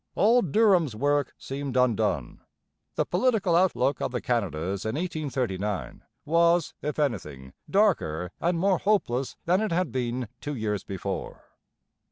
All Durham's work seemed undone. The political outlook of the Canadas in 1839 was, if anything, darker and more hopeless than it had been two years before.